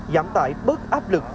giảm tải bớt áp lực